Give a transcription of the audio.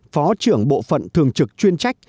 phó trưởng bộ phận thường trực chuyên trách